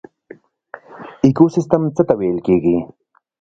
ایکوسیستم څه ته ویل کیږي